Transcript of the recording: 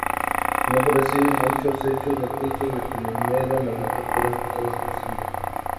Si no fuera así, muchos hechos noticiosos de primera magnitud podrían pasar desapercibidos.